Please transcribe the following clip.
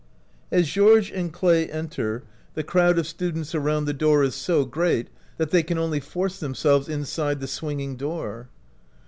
As Georges and Clay enter, the crowd of 8 OUT OF BOHEMIA students around the door is so great that they can only force themselves inside the swinging door.